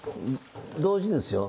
同時ですよ。